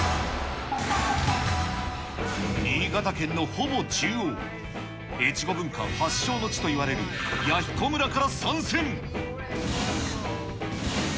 新潟県のほぼ中央、越後文化発祥の地といわれる弥彦村から参戦。